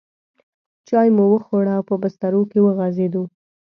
چای مو وخوړې او په بسترو کې وغځېدو.